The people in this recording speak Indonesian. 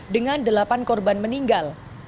dengan delapan korban meninggal